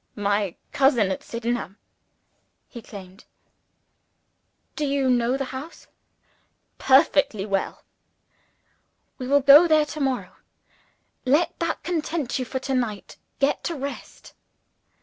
"My cousin at Sydenham!" he exclaimed. "Do you know the house?" "Perfectly well." "We will go there to morrow. Let that content you for tonight. Get to rest."